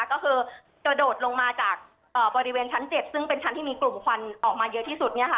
ก็คือกระโดดลงมาจากบริเวณชั้น๗ซึ่งเป็นชั้นที่มีกลุ่มควันออกมาเยอะที่สุด